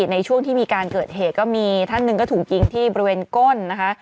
ในช่วงที่มีการเกิดเหตุก็มีท่านหนึ่งก็ถูกยิงที่บริเวณก้นนะคะ